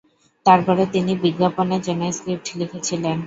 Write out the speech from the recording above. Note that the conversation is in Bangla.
তারপরে তিনি বিজ্ঞাপনের জন্য স্ক্রিপ্ট লিখেছিলেন।